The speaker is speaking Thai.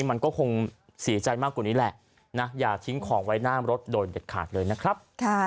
มันก็คงเสียใจมากกว่านี้แหละนะอย่าทิ้งของไว้หน้ารถโดยเด็ดขาดเลยนะครับ